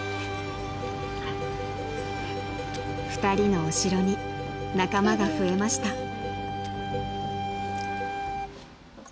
［２人のお城に仲間が増えました］